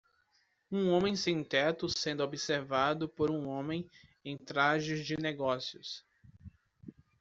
Um homem sem-teto sendo observado por um homem em trajes de negócios.